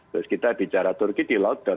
terus kita bicara turki di lockdown